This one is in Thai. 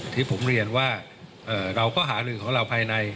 ที่ผมเรียนว่าเราก็หาลือของเราภายใน